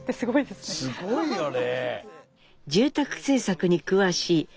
すごいよね！